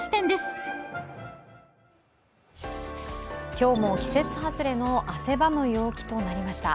今日も季節外れの汗ばむ陽気となりました。